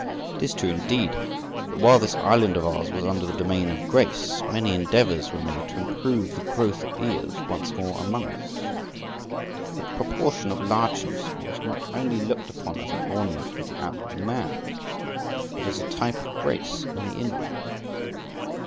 It is true, indeed, that while this island of ours was under the dominion of grace, many endeavours were made to improve the growth of ears once more among us. The proportion of largeness was not only looked upon as an ornament of the outward man, but as a type of grace in the inward.